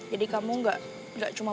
jadi kamu gak cuma